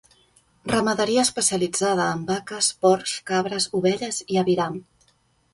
Ramaderia especialitzada en vaques, porcs, cabres, ovelles i aviram.